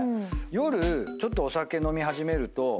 夜ちょっとお酒飲み始めると。